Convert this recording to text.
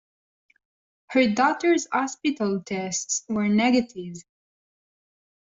Her daughter's hospital tests were negative.